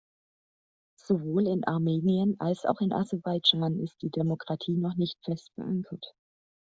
Sowohl in Armenien als auch in Aserbaidschan ist die Demokratie noch nicht fest verankert.